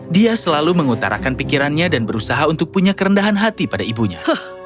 dia selalu mengutarakan pikirannya dan berusaha untuk punya kerendahan hati pada ibunya